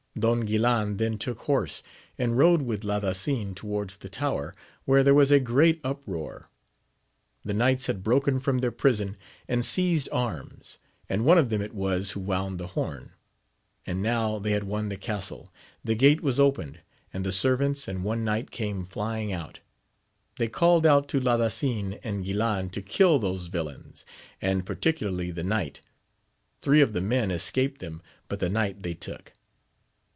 Don Guilan then took horse, and rode with Ladasin towards the tower, where there was a great uproar. The knights had broken from their prison and seized arms, and one of them it was who wound the horn, and now they had won the castle; the gate was opened, and the servants and one knight came flying out : they called out to Ladasin and Guilan to kill those villains, and particularly the knight : three of the men escaped them, but the knight they took.